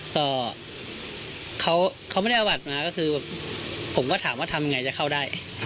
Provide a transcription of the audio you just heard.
ก็เขาไม่ได้เอาบัตรมาก็คือแบบผมก็ถามว่าทำยังไงจะเข้าได้